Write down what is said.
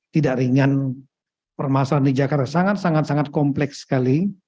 tidak ringan permasalahan di jakarta sangat sangat kompleks sekali